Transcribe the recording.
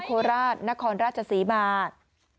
โคราชนครราชศรีมา